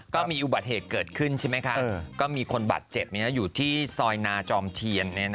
ก็มีอุบัติเหตุเกิดขึ้นใช่ไหมคะก็มีคนบาดเจ็บอยู่ที่ซอยนาจอมเทียน